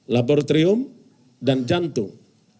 laboratorium dan jantung